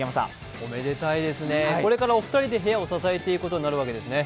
おめでたいですね、これからは、お二人で部屋を支えていくことになるわけですね。